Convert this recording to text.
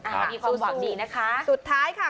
อ่ามีความหวังดีนะคะสู้สู้